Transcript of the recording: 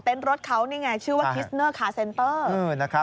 รถเขานี่ไงชื่อว่าคิสเนอร์คาเซนเตอร์